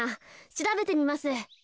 しらべてみます。